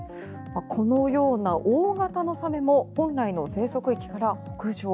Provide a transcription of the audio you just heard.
このような大形のサメも本来の生息域から北上。